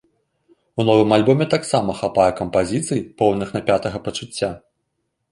У новым альбоме таксама хапае кампазіцый, поўных напятага пачуцця.